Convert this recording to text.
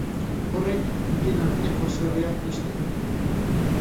Horrek bien arteko haserrea pizten du.